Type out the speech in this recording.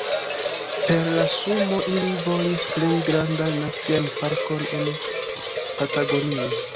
Per la sumo ili volis krei grandan nacian parkon en Patagonio.